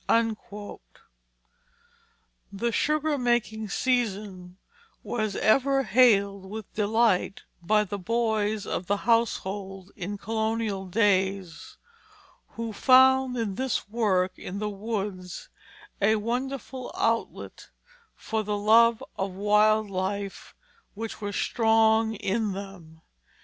The sugar making season was ever hailed with delight by the boys of the household in colonial days, who found in this work in the woods a wonderful outlet for the love of wild life which was strong in them.